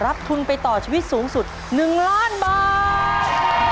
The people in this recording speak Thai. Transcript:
ทุนไปต่อชีวิตสูงสุด๑ล้านบาท